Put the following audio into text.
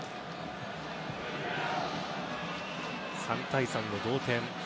３対３の同点。